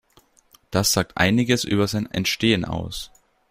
Das sagt einiges über sein Entstehen aus.